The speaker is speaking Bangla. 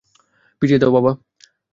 পিছিয়ে যাও, বাবা!